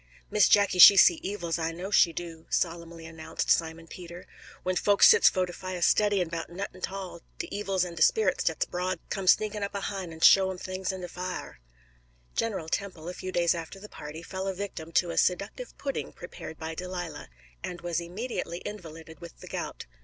"Miss Jacky she see evils, I know she do," solemnly announced Simon Peter. "When folks sits fo' de fire studyin' 'bout nuttin' 'tall, de evils an' de sperrits dat's 'broad come sneakin' up ahine an' show 'em things in de fire." General Temple, a few days after the party, fell a victim to a seductive pudding prepared by Delilah, and was immediately invalided with the gout.